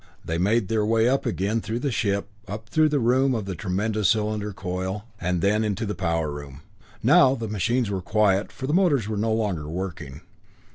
They made their way again up through the ship, up through the room of the tremendous cylinder coil, and then into the power room. Now the machines were quiet, for the motors were no longer working.